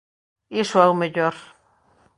Iso é o mellor.